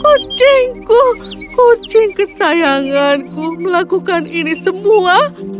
kucingku kucing kesayanganku melakukan ini semua